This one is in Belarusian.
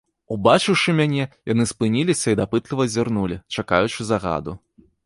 Убачыўшы мяне, яны спыніліся і дапытліва зірнулі, чакаючы загаду.